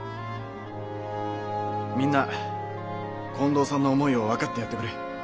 みんな近藤さんの思いを分かってやってくれ。